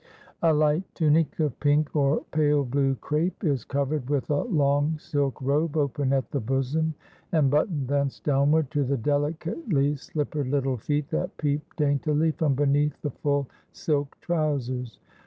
A light tunic of pink or pale blue crape is covered with a long silk robe, open at the bosom, and buttoned thence downward to the delicately slippered little feet, that peep daintily from beneath the full silken trousers.